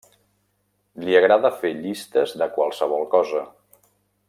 Li agrada fer llistes de qualsevol cosa.